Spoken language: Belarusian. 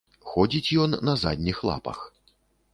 Ходзіць ён на задніх лапах.